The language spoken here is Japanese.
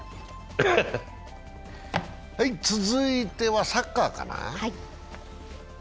続いてはサッカーかな。